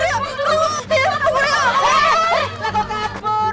lah kau kabur